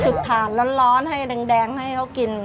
ถ่านร้อนให้แดงให้เขากิน